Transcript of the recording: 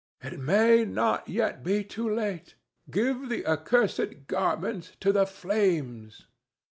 "It may not yet be too late. Give the accursed garment to the flames."